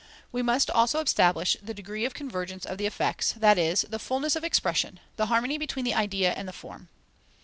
We must also establish the degree of convergence of the effects, that is, the fulness of expression, the harmony between the idea and the form.